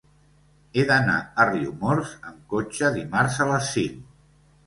He d'anar a Riumors amb cotxe dimarts a les cinc.